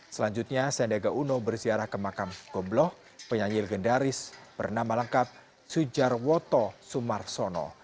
selanjutnya sandiaga uno berziarah ke makam gobloh penyanyi legendaris bernama lengkap sujarwoto sumarsono